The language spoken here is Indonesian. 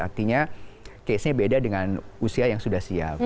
artinya case nya beda dengan usia yang sudah siap